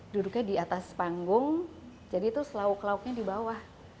duduknya di atas panggung jadi terus lauk lauknya di bawah